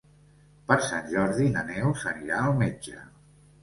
Per Sant Jordi na Neus anirà al metge.